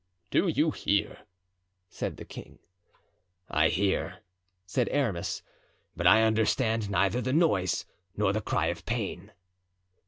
"Do you hear?" said the king. "I hear," said Aramis, "but I understand neither the noise nor the cry of pain."